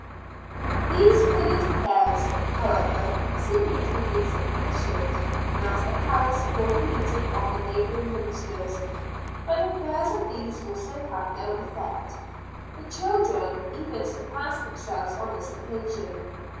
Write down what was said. These village prayers, however, seeming to be insufficient, Master Parris called a meeting of the neighboring ministers; but the prayers of these also had no effect. The "children" even surpassed themselves on this occasion.